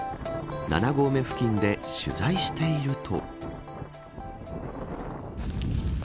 ７合目付近で取材していると。